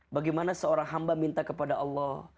bagaimana seorang hamba minta kepada allah